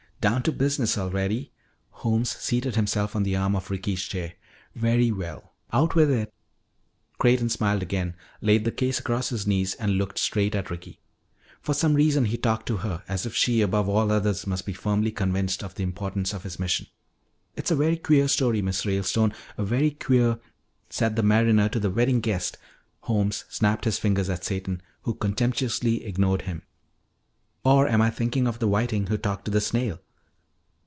"Down to business already." Holmes seated himself on the arm of Ricky's chair. "Very well, out with it." Creighton smiled again, laid the case across his knees, and looked straight at Ricky. For some reason he talked to her, as if she above all others must be firmly convinced of the importance of his mission. "It is a very queer story, Miss Ralestone, a very queer " "Said the mariner to the wedding guest." Holmes snapped his fingers at Satan, who contemptuously ignored him. "Or am I thinking of the Whiting who talked to the Snail?"